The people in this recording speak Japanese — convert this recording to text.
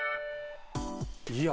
いや